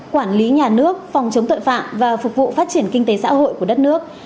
quản lý nhà nước phòng chống tội phạm và phục vụ phát triển kinh tế xã hội của đất nước